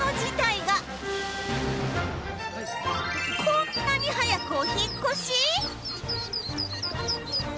こんなに早くお引っ越し？